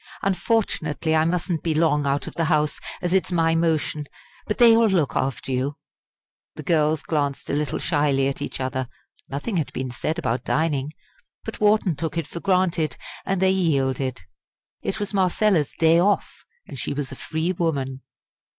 Unfortunately I mustn't be long out of the House, as it's my motion; but they will look after you." The girls glanced a little shyly at each other. Nothing had been said about dining; but Wharton took it for granted; and they yielded. It was Marcella's "day off," and she was a free woman.